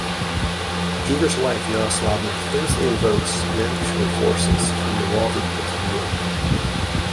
Igor's wife Yaroslavna famously invokes natural forces from the walls of Putyvl.